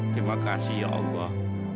terima kasih ya allah